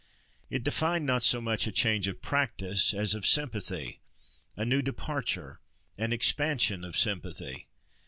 It defined not so much a change of practice, as of sympathy—a new departure, an expansion, of sympathy.